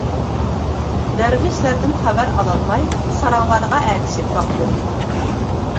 دەرۋىشلەردىن خەۋەر ئالالماي، ساراڭلارغا ئەگىشىپ باقتىم.